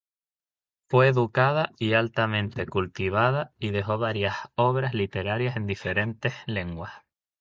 Fue educada y altamente cultivada y dejó varias obras literarias en diferentes lenguas.